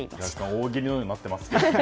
大喜利のようになってますね。